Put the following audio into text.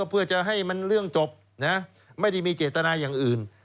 เพื่อจะให้มันเรื่องจบไม่ได้มีเจตนาอย่างอื่น